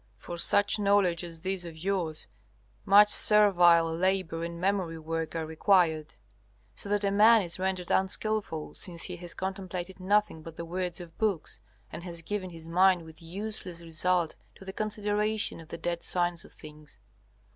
For such knowledge as this of yours much servile labor and memory work are required, so that a man is rendered unskilful, since he has contemplated nothing but the words of books and has given his mind with useless result to the consideration of the dead signs of things.